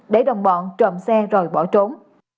để đồng bọn trộm xe rồi bỏ trốn